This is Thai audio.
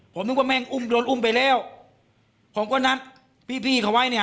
ผมนึกว่าแม่งอุ้มโดนอุ้มไปแล้วผมก็นัดพี่พี่เขาไว้เนี่ย